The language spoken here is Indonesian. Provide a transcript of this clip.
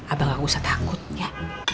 abang gak usah takut ya